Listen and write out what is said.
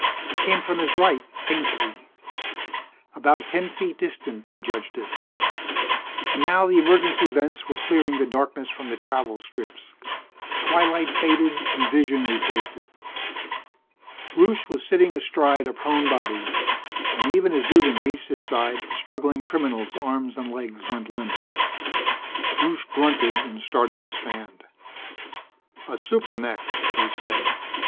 It came from his right, faintly. About ten feet distant, he judged it. And now the emergency vents were clearing the darkness from the travel strips. Twilight faded and vision replaced it. Rusche was sitting astride a prone body, and even as Duggan reached his side the struggling criminal's arms and legs went limp. Rusche grunted and started to stand. "A super mech!" he said.